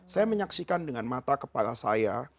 saya menyaksikan dengan mata kepala saya